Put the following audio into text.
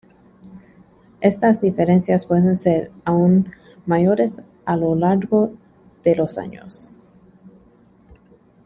Estas diferencias pueden ser aún mayores a lo largo de los años.